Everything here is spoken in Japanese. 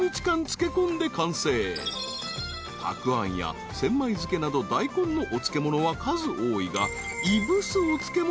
［たくあんや千枚漬けなど大根のお漬物は数多いが］